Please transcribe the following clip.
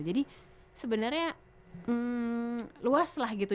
jadi sebenarnya luas lah gitu